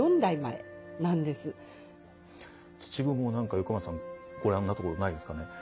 「土蜘蛛」なんか横山さんご覧になったことないですかね？